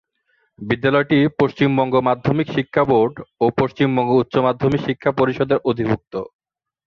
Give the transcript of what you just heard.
বিদ্যালয়টি পশ্চিমবঙ্গ মাধ্যমিক শিক্ষা বোর্ড ও পশ্চিমবঙ্গ উচ্চ মাধ্যমিক শিক্ষা পরিষদের অধিভুক্ত।